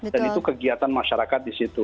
dan itu kegiatan masyarakat disitu